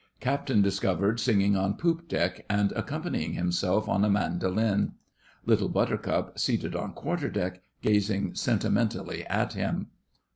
CAPTAIN discovered singing on poop deck, and accompanying himself on a mandolin. LITTLE BUTTERCUP seated on quarterdeck, gazing sentimentally at him.